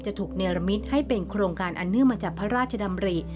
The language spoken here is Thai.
จะถูกเนรมิตให้เป็นโครงการอันเนื่องมาจากพระราชดำริ